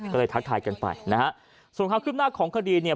ก็เลยทักทายกันไปนะฮะส่วนความคืบหน้าของคดีเนี่ย